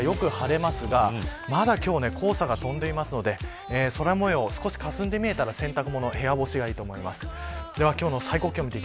その他の各地は、よく晴れますがまだ今日は黄砂が飛んでいるので空模様、かすんで見えたら洗濯物は部屋干しがいいと思います。